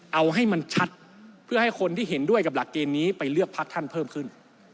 เอาให้มันชัดเพื่อให้คนที่เห็นด้วยกับหลักเกณฑ์นี้ไปเลือกพักท่านเพิ่มขึ้น